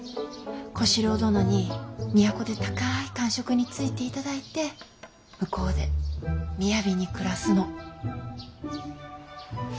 小四郎殿に都で高い官職に就いていただいて向こうで雅に暮らすの。